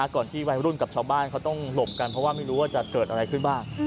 ก่อนที่วัยรุ่นกับชาวบ้านเขาต้องหลบกันเพราะว่าไม่รู้ว่าจะเกิดอะไรขึ้นบ้าง